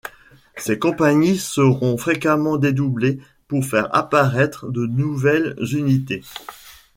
Ces compagnies seront fréquemment dédoublées pour faire apparître de nouvelles unités.